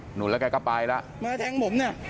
หนุ่นแล้วมันก็ไปแล้ว